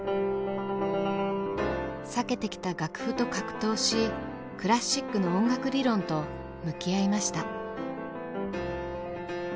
避けてきた楽譜と格闘しクラシックの音楽理論と向き合いました。